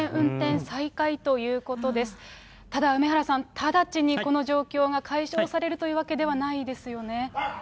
ただ梅原さん、直ちにこの状況が解消されるというわけではないですよね。